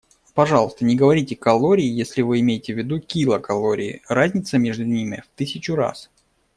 Пожалуйста, не говорите «калории», если вы имеете в виду «килокалории», разница между ними в тысячу раз.